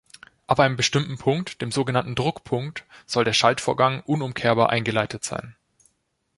Ab einem bestimmten Punkt, dem sogenannten "Druckpunkt", soll der Schaltvorgang unumkehrbar eingeleitet sein.